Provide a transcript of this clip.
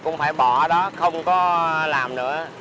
cũng phải bỏ đó không có làm nữa